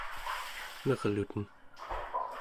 nerluten